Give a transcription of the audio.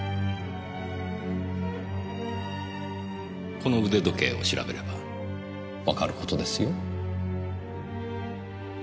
この腕時計を調べればわかる事ですよ。